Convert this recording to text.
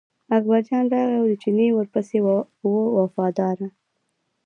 اکبرجان راغی او چینی ورپسې و وفاداره.